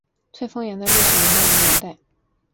翠峰岩的历史年代为元代。